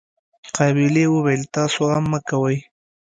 قابلې وويل تاسو غم مه کوئ.